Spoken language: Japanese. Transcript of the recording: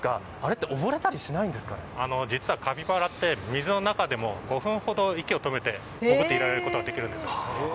あれって実は、カピバラって水の中でも５分ほど息を止めて潜っていることができるんです。